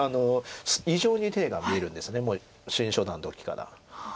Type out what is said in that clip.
異常に手が見えるんですもう新初段の時から。